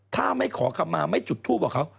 ถ้าไม่ขอคำมาไม่จุดทูปบอกเขา